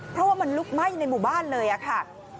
เพราะว่ามันลุกไหม้ในหมู่บ้านเลยค่ะ